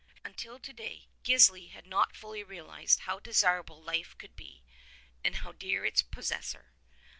Until to day, Gisli had not fully realized how desirable life could be, and how dear to its possessor.